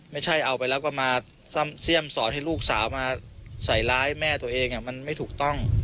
ไม่ใช่เอาไปแล้วก็มาเสี่ยมสอนให้ลูกสาวมาใส่ร้ายแม่ตัวเองมันไม่ถูกต้อง